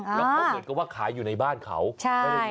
แล้วเขาเหมือนกับว่าขายอยู่ในบ้านเขาใช่